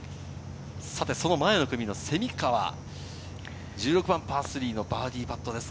その１つ前の組の蝉川、１６番、パー３のバーディーパットです。